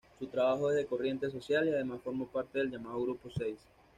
Su trabajo es de corriente social, y además formó parte del llamado Grupo Seis.